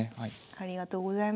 ありがとうございます。